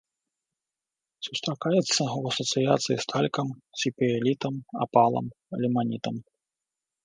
Сустракаецца ў асацыяцыі з талькам, сепіялітам, апалам, ліманітам.